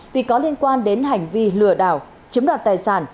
thì có liên quan đến hành vi lừa đảo chiếm đoạt tài sản